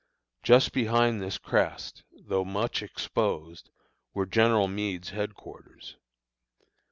Just behind this crest, though much exposed, were General Meade's headquarters.